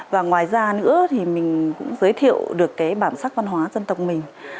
và ngoài ra nữa thì mình cũng giới thiệu được cái bản sắc văn hóa dân tộc mình